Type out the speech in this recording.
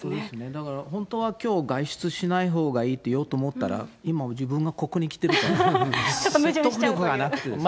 だから本当はきょう、外出しないほうがいいと言おうと思ったら、今、自分がここに来てちょっと矛盾しちゃうという。